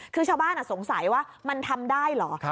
คือชาวบ้านสงสัยว่ามันทำได้เหรอ